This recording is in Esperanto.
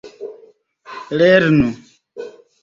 lernu